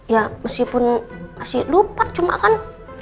ya meskipun masih lupa cuma kan